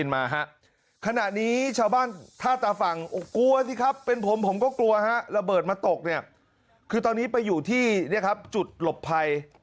มาตกเนี่ยคือตอนนี้ไปอยู่ที่เนี่ยครับจุดหลบภัย